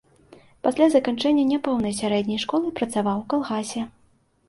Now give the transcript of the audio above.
Пасля заканчэння няпоўнай сярэдняй школы працаваў у калгасе.